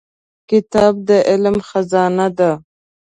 کتاب د علم خزانه ده.